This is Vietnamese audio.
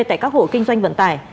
tại các hộ kinh doanh vận tải